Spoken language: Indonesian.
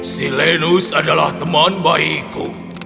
silenus adalah teman baikku